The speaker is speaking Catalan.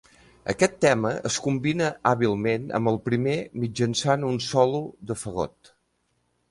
Aquest tema es combina hàbilment amb el primer mitjançant un solo de fagot.